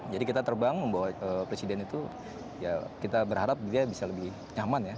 jadi kita terbang membawa presiden itu kita berharap dia bisa lebih nyaman